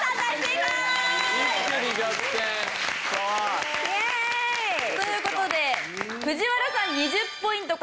イエーイ！という事で藤原さん２０ポイント